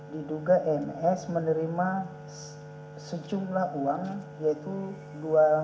diduga ems menerima uang sejumlah empat miliar